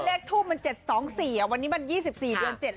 แล้วเลขทูปมัน๗๒๔อ่ะวันนี้วัน๒๔เดือน๗